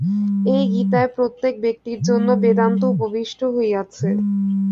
এই গীতায় প্রত্যেক ব্যক্তির জন্য বেদান্ত উপবিষ্ট হইয়াছে।